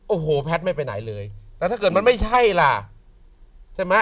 โอ้โหแพทย์ไม่ไปไหนเลยแต่ถ้าเกิดมันไม่ใช่ล่ะใช่ไหม